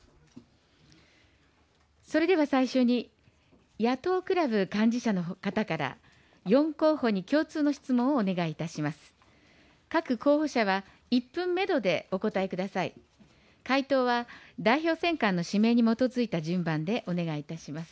それでは最初に、野党クラブ幹事社の方から、４候補に共通の質問をお願いいたします。